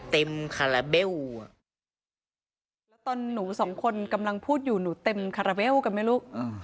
คาราเบลอ่ะแล้วตอนหนูสองคนกำลังพูดอยู่หนูเต็มคาราเบลกันไหมลูก